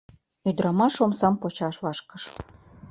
Ӱдырамаш омсам почаш вашкыш.